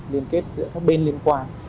liên kết giữa các bên liên quan